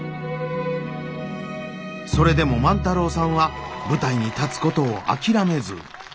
それでも万太郎さんは舞台に立つことを諦めず。